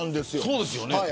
そうですよね。